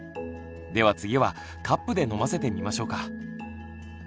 では次はカップで飲ませてみましょうか。